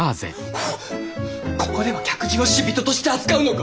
ここでは客人を死人として扱うのか！？